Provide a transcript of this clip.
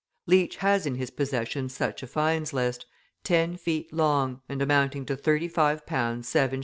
Leach has in his possession such a fines list, ten feet long, and amounting to 35 pounds 17s.